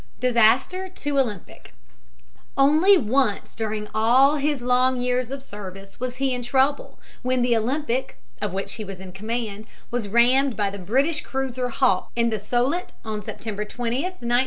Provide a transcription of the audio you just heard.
} DISASTER TO OLYMPIC Only once during all his long years of service was he in trouble, when the Olympic, of which he was in command, was rammed by the British cruiser Hawke in the Solent on September 20, 1911.